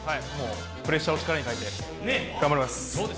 プレッシャーを力に変えて、頑張ります。